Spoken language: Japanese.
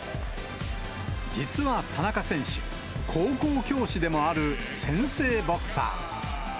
実は田中選手、高校教師でもある先生ボクサー。